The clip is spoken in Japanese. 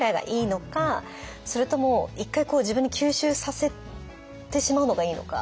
それとも一回自分に吸収させてしまうのがいいのか。